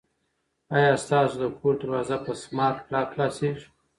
آیا ستاسو د کور دروازه په سمارټ لاک خلاصیږي؟